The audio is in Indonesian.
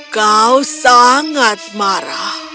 kau sangat marah